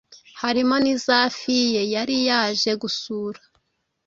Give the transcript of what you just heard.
harimo n’iza Fille yari yaje gusura